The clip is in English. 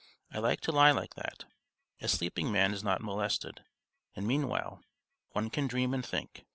I liked to lie like that; a sleeping man is not molested, and meanwhile one can dream and think.